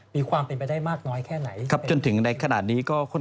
มีความเป็นไปได้มากน้อยแค่ไหน